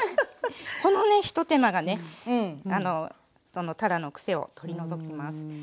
このね一手間がねたらのくせを取り除きます。